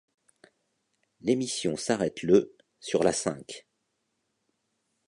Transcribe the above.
L'émission s'arrête le sur la Cinq.